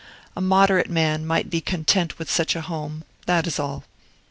A moderate man might be content with such a home, that is all.